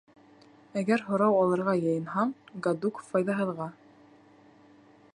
— Әгәр һорау алырға йыйынһаң, гадук, файҙаһыҙға.